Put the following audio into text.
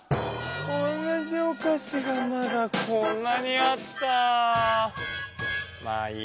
同じおかしがまだこんなにあった。